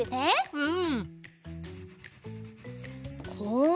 うん。